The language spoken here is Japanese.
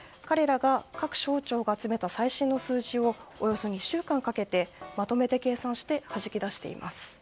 各省庁が集めた最新の数字をおよそ２週間かけてまとめて計算してはじき出しています。